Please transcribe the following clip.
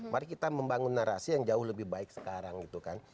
mari kita membangun narasi yang jauh lebih baik sekarang gitu kan